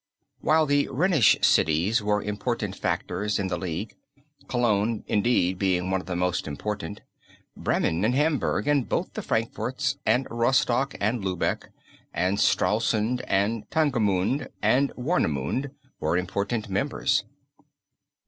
While the Rhenish cities were important factors in the League, Cologne indeed being one of the most important, Bremen and Hamburg and both the Frankforts, and Rostock, and Lübeck and Stralsund, and Tangermünde and Warnemunde, were important members.